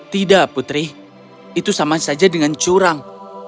tidak putri itu sama saja dengan curang